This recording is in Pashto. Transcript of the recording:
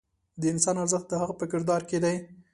د انسان ارزښت د هغه په کردار کې دی.